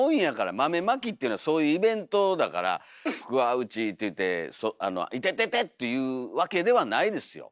豆まきっていうのはそういうイベントだから「福は内」って言うて「イテテテ！」っていうわけではないですよ。